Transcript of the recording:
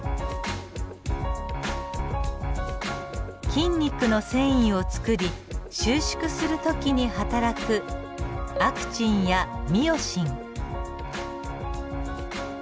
筋肉の繊維をつくり収縮する時に働くアクチンやミオシン。